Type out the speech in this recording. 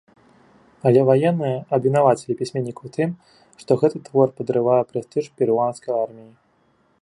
Але ваенныя абвінавацілі пісьменніка ў тым, што гэты твор падрывае прэстыж перуанскай арміі.